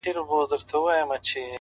وخت د ژوند تر ټولو منصفه پانګه ده!